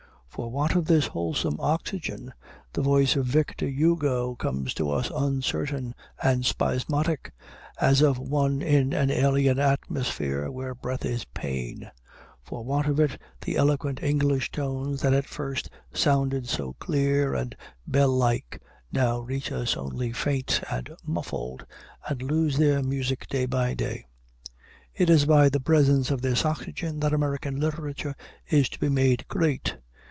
For want of this wholesome oxygen, the voice of Victor Hugo comes to us uncertain and spasmodic, as of one in an alien atmosphere where breath is pain; for want of it, the eloquent English tones that at first sounded so clear and bell like now reach us only faint and muffled, and lose their music day by day. It is by the presence of this oxygen that American literature is to be made great.